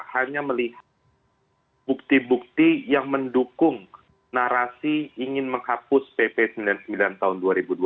hanya melihat bukti bukti yang mendukung narasi ingin menghapus pp sembilan puluh sembilan tahun dua ribu dua puluh